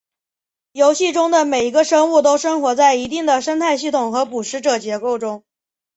游戏中的每一个生物都生活在一定的生态系统和捕食者结构中。